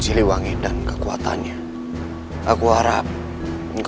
siliwangi dan bajajaran